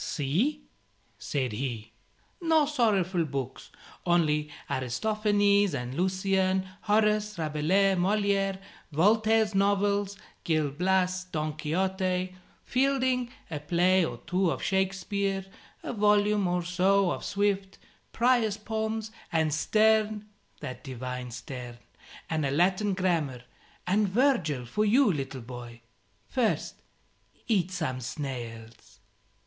"See," said he, "no sorrowful books, only Aristophanes and Lucian, Horace, Rabelais, Moliere, Voltaire's novels, 'Gil Blas,' 'Don Quixote,' Fielding, a play or two of Shakespeare, a volume or so of Swift, Prior's Poems, and Sterne that divine Sterne! And a Latin Grammar and Virgil for you, little boy. First, eat some snails."